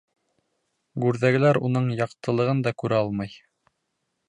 Гүрҙәгеләр уның яҡтылығын да күрә алмай.